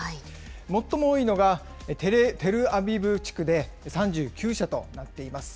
最も多いのがテルアビブ地区で３９社となっています。